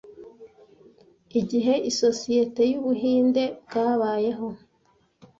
Igihe Isosiyete y'Ubuhinde bwabayeho,